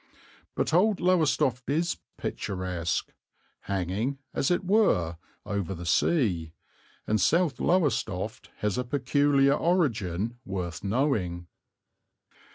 But old Lowestoft is picturesque, hanging, as it were, over the sea, and South Lowestoft has a peculiar origin worth knowing.